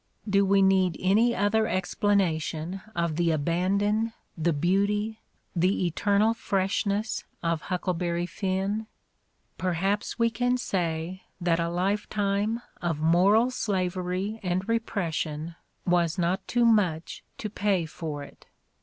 Do we need any other explanation of the abandon, the beauty, the eternal freshness of '' Huckleberry Finn ''? Perhaps we can say that a lifetime of moral slavery and repres sion was not too much to pay for it.